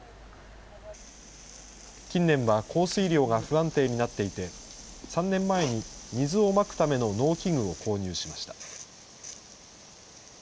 近年は降水量が不安定になっていて、３年前に水をまくための農機具を購入しました。